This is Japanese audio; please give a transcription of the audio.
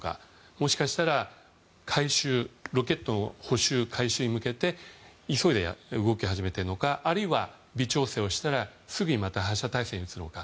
もしかしたらロケットの補修・改修に向けて急いで動き始めているのかあるいは微調整をしたらすぐに発射体制に移るのか